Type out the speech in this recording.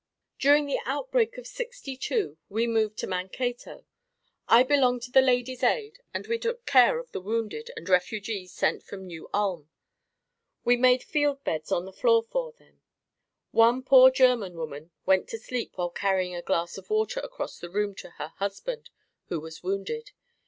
During the outbreak of '62 we moved to Mankato. I belonged to the ladies aid and we took care of the wounded and refugees sent from New Ulm. We made field beds on the floor for them. One poor German woman went to sleep while carrying a glass of water across the room to her husband, who was wounded.